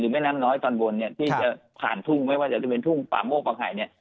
แม่น้ำน้อยตอนบนเนี่ยที่จะผ่านทุ่งไม่ว่าจะเป็นทุ่งป่าโมกป่าไข่เนี่ย